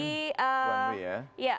untuk one way ya